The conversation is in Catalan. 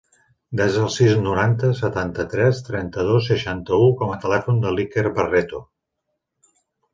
Desa el sis, noranta, setanta-tres, trenta-dos, seixanta-u com a telèfon de l'Iker Barreto.